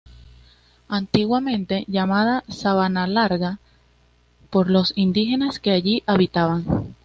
Antiguamente llamada Sabanalarga por los indígenas que allí habitaban.